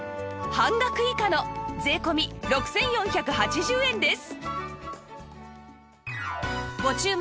半額以下の税込６４８０円です